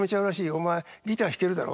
お前ギター弾けるだろ？